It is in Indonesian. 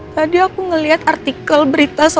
tadi aku ngeliat artikel berita soal roy